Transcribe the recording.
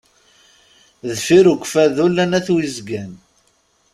Deffir ukfadu llan at wizgan.